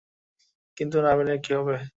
কিন্তু নাভিনের কী হবে?